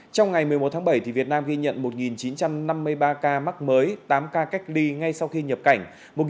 trong ngày một mươi một tháng bảy việt nam ghi nhận một chín trăm năm mươi ba ca mắc mới tám ca cách ly ngay sau khi nhập cảnh